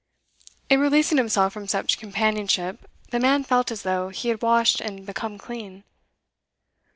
In releasing himself from such companionship, the man felt as though he had washed and become clean.